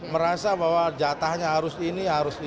merasa bahwa jatahnya harus ini harus ini